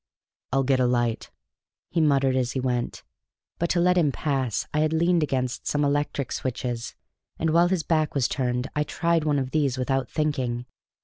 "I'll get a light," he muttered as he went; but to let him pass I had leaned against some electric switches, and while his back was turned I tried one of these without thinking.